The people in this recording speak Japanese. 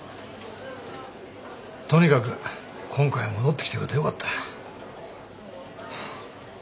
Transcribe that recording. とにかく今回は戻ってきてくれてよかった。